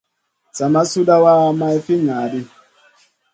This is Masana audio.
Sa ma suɗawa may fi ŋaʼaɗ ɗi.